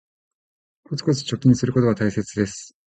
コツコツ貯金することは大切です